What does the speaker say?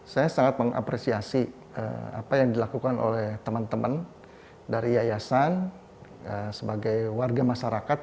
saya sangat mengapresiasi apa yang dilakukan oleh teman teman dari yayasan sebagai warga masyarakat